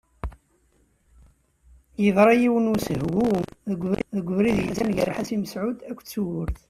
Yeḍṛa yiwen n usehwu deg ubrid yellan gar Ḥasi Mesεud akked Tugurt.